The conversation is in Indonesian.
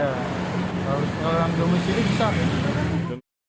kalau orang domisili bisa